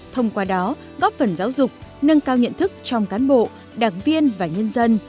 thông qua đó góp phần giáo dục nâng cao nhận thức trong cán bộ đảng viên và nhân dân